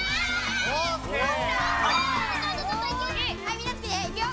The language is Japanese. みんなつぎねいくよ！